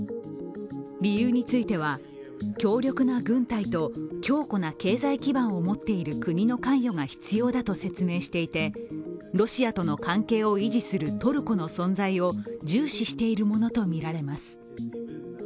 理由については強力な軍隊と強固な経済基盤を持っている国の関与が必要だと説明していて、ロシアとの関係を維持するトルコの存在を